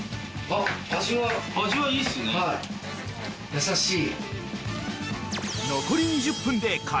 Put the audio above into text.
優しい。